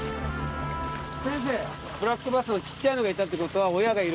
先生ブラックバスのちっちゃいのがいたってことは。